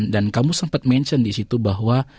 dan kamu sempat mention disitu bahwa